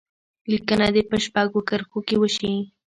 لیکنه دې په شپږو کرښو کې وشي.